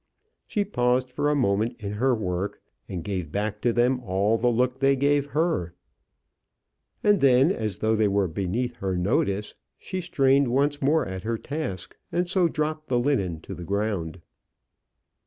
She paused for a moment in her work, and gave back to them all the look they gave her; and then, as though they were beneath her notice, she strained once more at her task, and so dropped the linen to the ground.